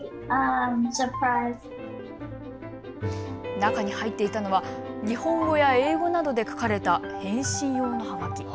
中に入っていたのは日本語や英語などで書かれた返信用のはがき。